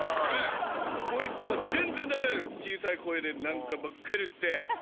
こいつが全然出さない小さい声で何かばっかり言って。